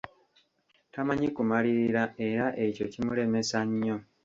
Tamanyi kumalirira era ekyo kimulemesa nnyo.